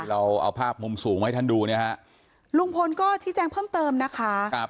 เราเอาภาพมุมสูงมาให้ท่านดูนะฮะลุงพลก็ชี้แจงเพิ่มเติมนะคะครับ